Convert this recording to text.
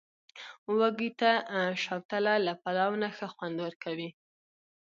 وږي ته، شوتله له پلاو نه ښه خوند ورکوي.